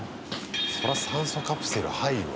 そら、酸素カプセル入るわ。